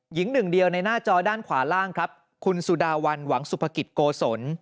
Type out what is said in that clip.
หญิงหนึ่งเดียวในหน้าจอด้านขวาล่างครับคุณสุดาวันหวังสุภกิจโกศล